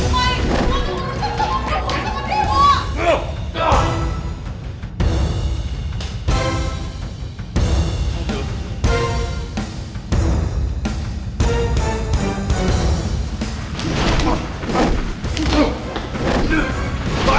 maik lo tuh urusan sama gue sama dewa